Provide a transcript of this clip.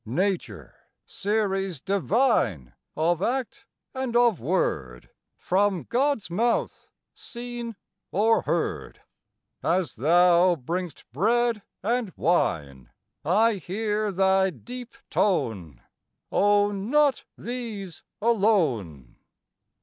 Nature, series divine Of act and of word From God's mouth seen or heard! As thou bring'st bread and wine I hear thy deep tone, "O not these alone!"